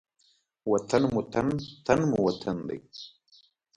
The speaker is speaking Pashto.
وطن مو تن، تن مو وطن دی.